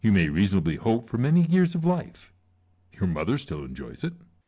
You uiay reasonably hope for many years of life: your mother still enjoys it.